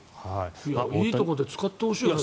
いいところで使ってほしいよね。